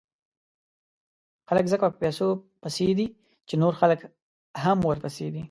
خلک ځکه په پیسو پسې دي، چې نور خلک هم ورپسې دي.